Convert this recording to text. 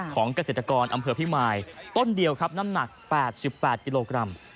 เกษตรกรอำเภอพิมายต้นเดียวครับน้ำหนัก๘๘กิโลกรัม